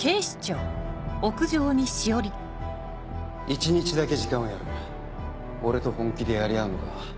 一日だけ時間をやる俺と本気でやり合うのか